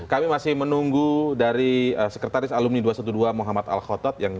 kami masih menunggu dari sekretaris alumni dua ratus dua belas muhammad al khotot